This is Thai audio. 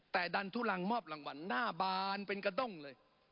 แต่ดันทุลังมอบรางวัลหน้าบานเป็นกระด้งเลย